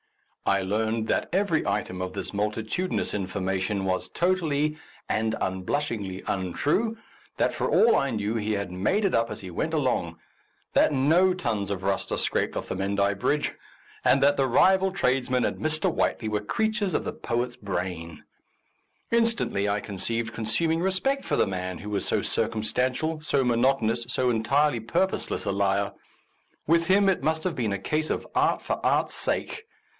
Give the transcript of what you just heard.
I learnt that every item of this multi tudinous information was totally and un blushingly untrue, that for all I knew he had made it up as he went along ; that no tons of rust are scraped off the Menai Bridge, and that the rival tradesmen and Mr. Whiteley were creatures of the poet's A Defence of Useful Information brain. Instantly I conceived consuming respect for the man who was so circum stantial, so monotonous, so entirely pur poseless a liar. With him it must have been a case of art for art's sake.